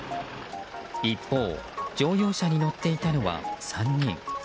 一方、乗用車に乗っていたのは３人。